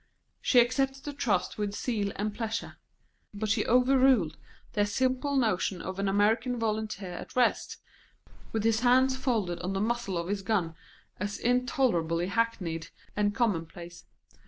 She accepted the trust with zeal and pleasure; but she overruled their simple notion of an American volunteer at rest, with his hands folded on the muzzle of his gun, as intolerably hackneyed and commonplace.